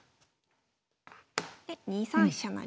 で２三飛車成。